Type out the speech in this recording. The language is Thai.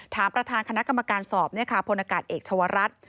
ถามประธานคณะกรรมการสอบพลอากาศเอกชาวรัฐ